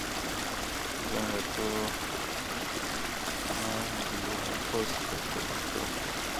جنګ د تورو نه دییارهاوس د تورو سترګو جنګ دی.